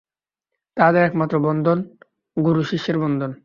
তাঁহাদের একমাত্র বন্ধন গুরুশিষ্যের বন্ধন।